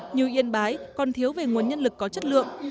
như yên bái còn thiếu về nguồn nhân lực có chất lượng